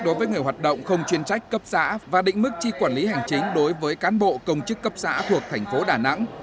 đối với người hoạt động không chuyên trách cấp xã và định mức chi quản lý hành chính đối với cán bộ công chức cấp xã thuộc thành phố đà nẵng